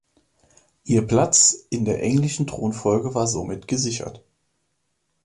Ihr Platz in der englischen Thronfolge war somit gesichert.